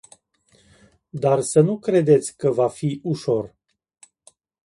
Dar să nu credeți că va fi ușor.